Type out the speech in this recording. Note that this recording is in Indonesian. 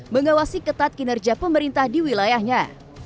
mengawasi ketat kinerja pemerintah di wilayahnya